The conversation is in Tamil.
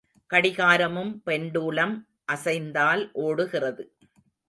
கடிகாரமும் பெண்டுலம் அசைந்தால் ஓடுகின்றது.